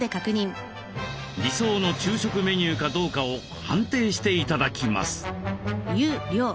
理想の昼食メニューかどうかを判定して頂きます。